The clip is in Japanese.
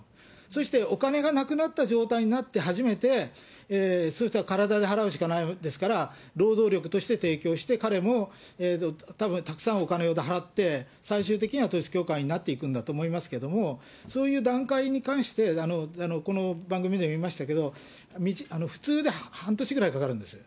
そしてお金がなくなった状態になって初めてそういう人は体で払うしかないわけですから、労働力として提供して、彼も、たぶんたくさんお金を払って、最終的には統一教会になっていくんだと思いますけれども、そういう段階に関して、この番組でも言いましたけど、普通で半年ぐらいかかるんですよ。